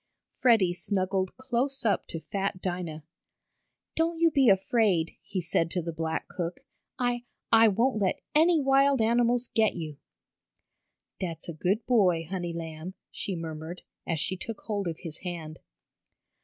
Freddie snuggled close up to fat Dinah. "Don't you be afraid," he said to the black cook. "I I won't let any wild animals get you!" "Dat's a good boy, honey lamb!" she murmured, as she took hold of his hand.